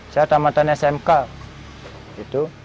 saya tamatan smk gitu